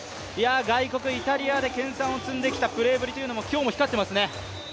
外国、イタリアで研さんを積んできたプレーぶりが今日も光っていますね。